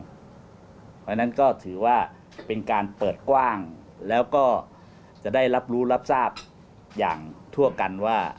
เพราะฉะนั้นก็ถือว่าเป็นการเปิดกว้างแล้วก็จะได้รับรู้รับทราบอย่างทั่วกันว่า